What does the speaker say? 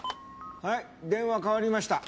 はい電話代わりました。